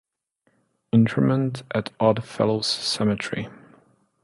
Interment at Odd Fellows Cemetery.